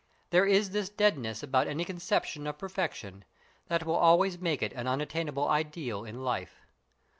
There is this deadness about any conception of perfection that will always make it an unattainable ideal in life.